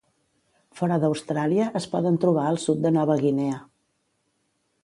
Fora d'Austràlia es poden trobar al sud de Nova Guinea.